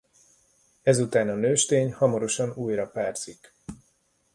Ezután a nőstény hamarosan újra párzik.